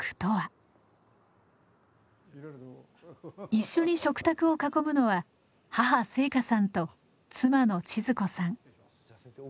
一緒に食卓を囲むのは母静香さんと妻の千鶴子さん。